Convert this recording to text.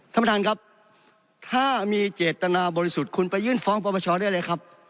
ท่านประธานครับถ้ามีเจตนาบริสุทธิ์คุณไปยื่นฟ้องปรปชได้เลยครับ